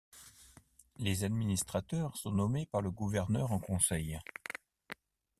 Les administrateurs sont nommés par le gouverneur en conseil.